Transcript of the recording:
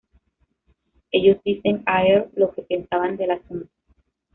Ellos dicen a Earl lo que pensaban del asunto.